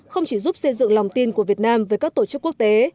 không chỉ giúp xây dựng lòng tin của việt nam với các tổ chức quốc tế